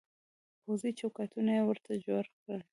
پوځي چوکاټونه يې ورته جوړ کړل.